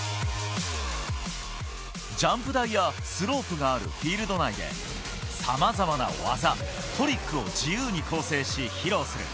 ジャンプ台やスロープがあるフィールド内で、さまざまな技、トリックを自由に構成し披露する。